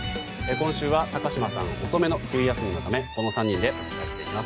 今週は高島さんが遅めの冬休みのためこの３人でお伝えしていきます。